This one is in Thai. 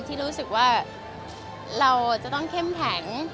ที่รู้สึกว่าเราจะต้องเข้มแข็ง